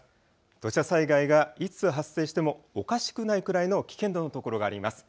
土砂災害がいつ発生してもおかしくないくらいの危険度の所があります。